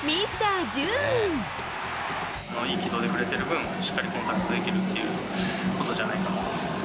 いい軌道で振れてる分、しっかりコンタクトできるっていうことじゃないかなと。